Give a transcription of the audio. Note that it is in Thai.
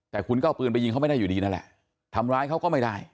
แต่คุณก็เอาปืนไปยิงเขาไม่ได้อยู่ดีนั่นแหละทำร้ายเขาก็ไม่ได้